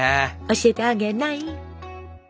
教えてあげない。